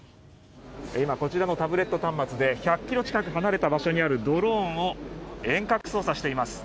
今、こちらのタブレット端末で１００ｋｍ近く離れた場所にあるドローンを遠隔操作しています。